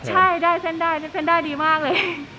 ใช่ได้เส้นได้๊ดีมากเลย